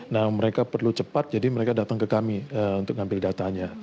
nah mereka perlu cepat jadi mereka datang ke kami untuk mengambil datanya